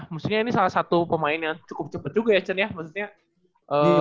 maksudnya ini salah satu pemain yang cukup cepat juga ya chen ya maksudnya